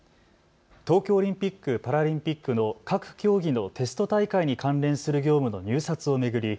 東京オリンピック・パラリンピックの各競技のテスト大会に関連する業務の入札を巡り